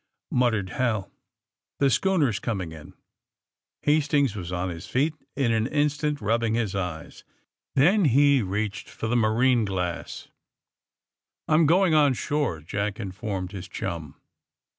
muttered HaL The schooner is coming in !" Hastings was on his feet in an instant, rub bing his eyes. Then he reached for the marine glass. 76 THE. SUBMAKINE BOYS a I'm going on shore/' Jack informed his chum.